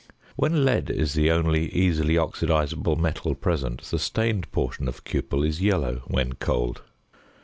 When lead is the only easily oxidisable metal present, the stained portion of cupel is yellow when cold.